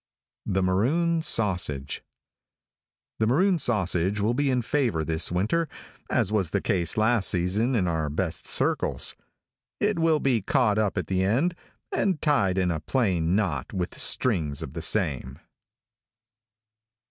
THE MAROON SAUSAGE. |THE maroon sausage will be in favor this winter, as was the case last season in our best circles. It will be caught up at the end and tied in a plain knot with strings of the same.